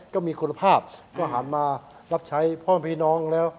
ก็มีคุณภาพก็หันมารับใช้พ่อแม่พี่น้องแล้ว